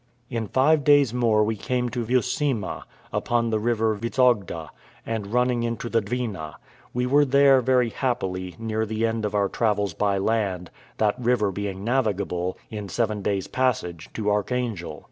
In five days more we came to Veussima, upon the river Witzogda, and running into the Dwina: we were there, very happily, near the end of our travels by land, that river being navigable, in seven days' passage, to Archangel.